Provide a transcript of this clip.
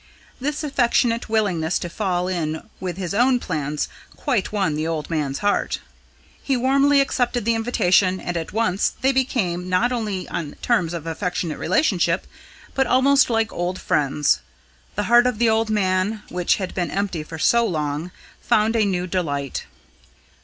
This affectionate willingness to fall in with his own plans quite won the old man's heart. He warmly accepted the invitation, and at once they became not only on terms of affectionate relationship, but almost like old friends. The heart of the old man, which had been empty for so long, found a new delight.